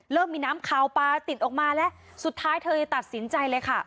มีน้ำขาวปลาติดออกมาแล้วสุดท้ายเธอตัดสินใจเลยค่ะ